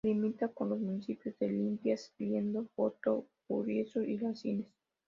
Limita con los municipios de Limpias, Liendo, Voto, Guriezo y Rasines.